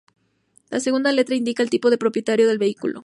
La segunda letra indica el tipo de propietario del vehículo.